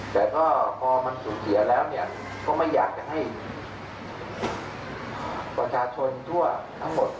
แต่ก็พอมันสูญเสียแล้วเนี่ยก็ไม่อยากจะให้ประชาชนทั่วทั้งหมด